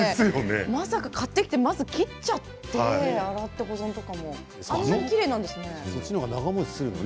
まさか買ってきてまず切っちゃって洗って保存とかあんなにきれいなんですね。